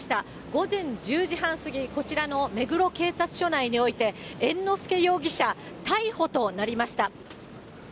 午前１０時半過ぎ、こちらの目黒警察署内において、猿之助容疑者、逮捕となりました。